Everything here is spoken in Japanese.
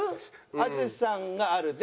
淳さんが「ある」で。